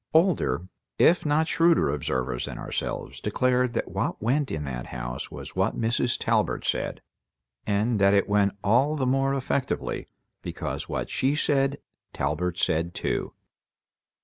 Older if not shrewder observers than ourselves declared that what went in that house was what Mrs. Talbert said, and that it went all the more effectively because what she said Talbert said too.